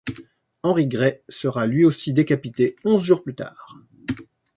Henry Grey sera lui aussi décapité onze jours plus tard.